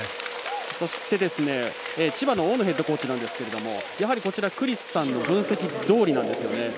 そして、千葉の大野ヘッドコーチなんですけどやはりクリスさんの分析どおりなんですよね。